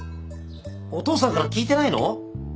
お父さんから聞いてないの？